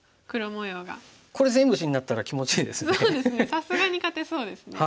さすがに勝てそうですね。